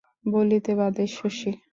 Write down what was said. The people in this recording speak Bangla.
বলিতে বাঁধে শশীর।